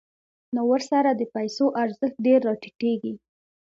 نو ورسره د پیسو ارزښت ډېر راټیټېږي